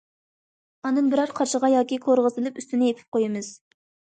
ئاندىن بىرەر قاچىغا ياكى كورىغا سېلىپ، ئۈستىنى يېپىپ قويىمىز.